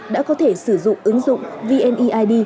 đã có thể sử dụng ứng dụng vneid